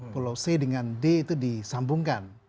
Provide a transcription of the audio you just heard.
pulau c dengan d itu disambungkan